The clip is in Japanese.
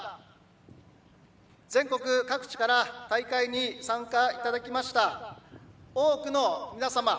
全国各地から大会に参加いただきました多くの皆様